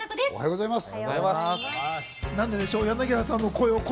おはようございます。